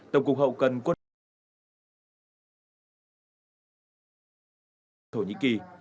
tổng cục hậu cần quân đội nhân dân việt nam tại thổ nhĩ kỳ